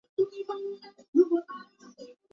এটি ধর্ষণের কল্পনা এবং ধর্ষণের পর্নোগ্রাফির সাথে জড়িত।